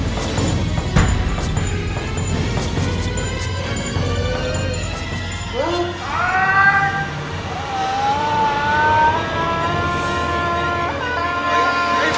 เจ้าพวกมันแม่เอ้า